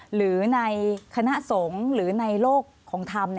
หรือในคณะสงฆ์หรือในโลกของธรรม